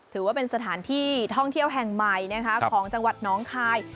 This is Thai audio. ถือว่าเป็นสถานที่ท่องเที่ยวแห่งใหม่นะคะของจังหวัดน้องคาย